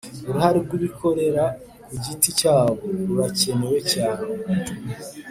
uruhare rw'abikorera ku giti cyabo rurakenewe cyane